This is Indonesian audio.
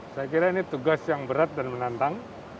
saya kira ini tugas yang berat dan menantang